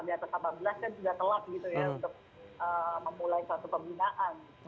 dari ke delapan belas kan sudah telat gitu ya untuk memulai satu pembinaan